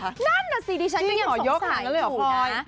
นั่นนะสิดิฉันก็ยังสงสัยกับจริงเหรอยกนั่นน่ะเลยหรอปล่อย